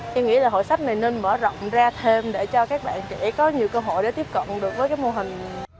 tôi nghĩ là hội sách này nên mở rộng ra thêm để cho các bạn trẻ có nhiều cơ hội để tiếp cận được với cái mô hình